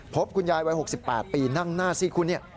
พบคุณยายวัย๖๘ปีนั่งหน้าสิคุณ